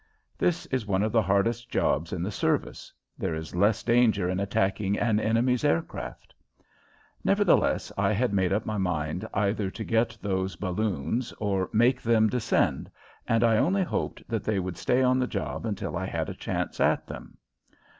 This is one of the hardest jobs in the service. There is less danger in attacking an enemy's aircraft. Nevertheless, I had made up my mind either to get those balloons or make them descend, and I only hoped that they would stay on the job until I had a chance at them.